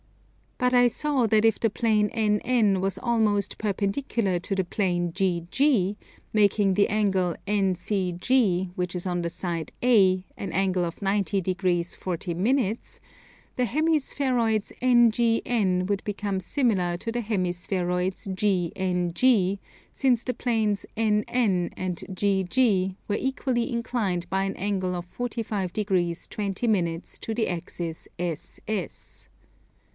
But I saw that if the plane NN was almost perpendicular to the plane GG, making the angle NCG, which is on the side A, an angle of 90 degrees 40 minutes, the hemi spheroids NGN would become similar to the hemi spheroids GNG, since the planes NN and GG were equally inclined by an angle of 45 degrees 20 minutes to the axis SS.